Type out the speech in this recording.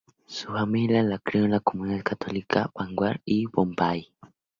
Su familia la crio en la comunidad católica en Bangalore y Bombay.